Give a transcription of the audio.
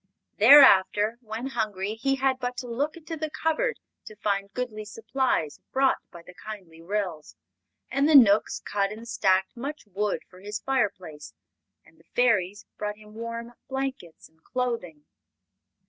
Thereafter, when hungry, he had but to look into the cupboard to find goodly supplies brought by the kindly Ryls. And the Knooks cut and stacked much wood for his fireplace. And the Fairies brought him warm blankets and clothing.